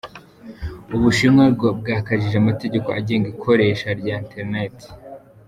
U Bushinwa bwakajije amategeko agenga ikoreshwa rya eterinete